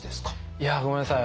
いやごめんなさい。